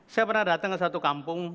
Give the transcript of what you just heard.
saya pernah datang ke satu kampung